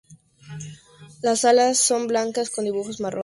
Las alas son blancas con dibujos marrones.